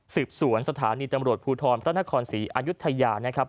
สืบสวนสถานีตำรวจภูทรพระนครศรีอายุทยานะครับ